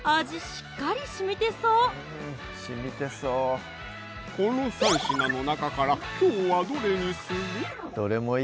しっかりしみてそうこの３品の中からきょうはどれにする？